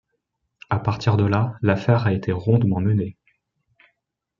À partir de là, l’affaire a été rondement menée.